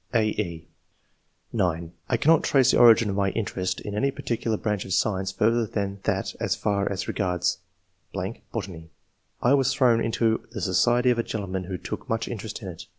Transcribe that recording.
(a, e) (9) " I cannot trace the origin of my interest in any particular branch of science further than that as far as regards .... botany, I was thrown into the society of a gentleman who took much interest in it.